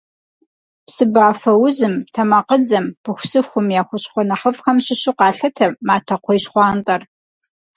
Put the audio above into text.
Псыбафэузым, тэмакъыдзэм, пыхусыхум я хущхъуэ нэхъыфӏхэм щыщу къалъытэ матэкхъуейщхъуантӏэр.